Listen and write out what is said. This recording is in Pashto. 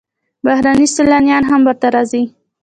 بهرني سیلانیان هم ورته راځي.